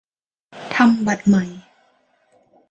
ทำบัตรใหม่